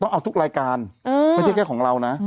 เอาทุกรายการไม่ใช่แค่ของเรานะ